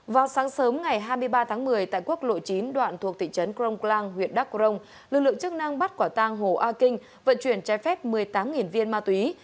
vào sáng sớm ngày hai mươi ba tháng một mươi tại quốc lộ chín đoạn thuộc thị trấn crong clang huyện đắk crong lực lượng chức năng bắt quả tang hồ a kinh vận chuyển trái phép một mươi tám viên ma túy